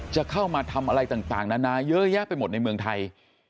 จะเข้ามาทำอะไรต่างนานาเยอะแยะไปหมดในเมืองไทย